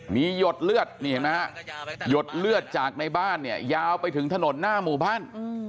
มีหยดเลือดนี่เห็นไหมฮะหยดเลือดจากในบ้านเนี่ยยาวไปถึงถนนหน้าหมู่บ้าน